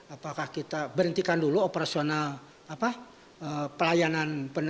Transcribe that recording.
apakah kita berhentikan dulu operasional pelayanan